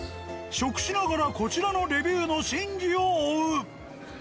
食しながらこちらのレビューの真偽を追う。